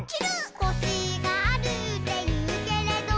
「コシがあるっていうけれど」